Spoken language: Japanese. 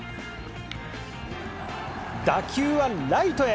打球はライトへ。